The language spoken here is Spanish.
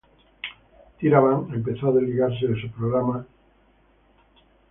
Tyra Banks empezó a desligarse de su programa America's next top model.